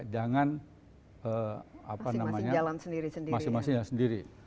jangan masing masing sendiri